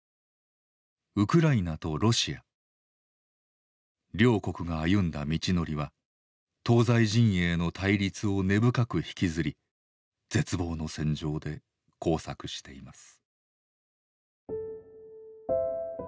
ウクライナとロシア両国が歩んだ道のりは東西陣営の対立を根深く引きずり絶望の戦場で交錯しています。